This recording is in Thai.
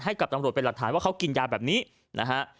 ให้กับตำรวจเป็นหลักฐานว่าเขากินยาแบบนี้นะฮะ